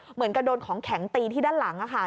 เหมือนกับโดนของแข็งตีที่ด้านหลังค่ะ